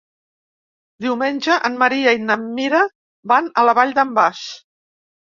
Diumenge en Maria i na Mira van a la Vall d'en Bas.